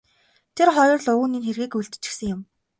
Тэр хоёр л уг нь энэ хэргийг үйлдчихсэн юм.